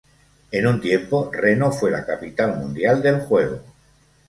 En un tiempo, Reno fue la capital mundial del juego.